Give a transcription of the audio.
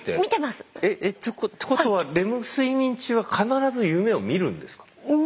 えってことはレム睡眠中は必ず夢を見るんですか？